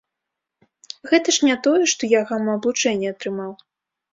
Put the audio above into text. Гэта ж не тое, што я гама-аблучэнне атрымаў.